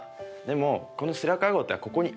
でもこの。